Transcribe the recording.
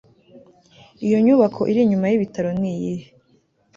iyo nyubako iri inyuma yibitaro niyihe